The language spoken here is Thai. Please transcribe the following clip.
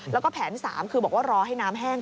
แล้วก็แผน๓คือบอกว่ารอให้น้ำแห้ง